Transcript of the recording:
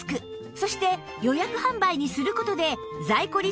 そして予約販売にする事で在庫リスクを軽減